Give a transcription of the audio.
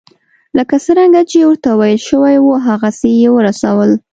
لکه څرنګه چې ورته ویل شوي وو هغسې یې ورسول.